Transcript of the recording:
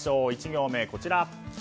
１行目、こちら。